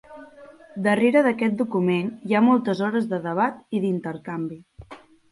Darrere d’aquest document hi ha moltes hores de debat i d’intercanvi.